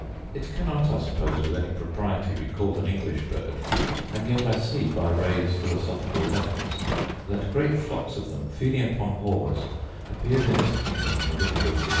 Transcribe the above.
It cannot, I suppose, with any propriety, be called an English bird: and yet I see, by Ray's Philosoph. Letters, that great flocks of them, feeding upon haws, appeared in this kingdom in the winter of 1685.